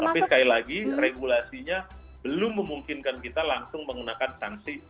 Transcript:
tapi sekali lagi regulasinya belum memungkinkan kita langsung menggunakan sanksi selama dua belas tahun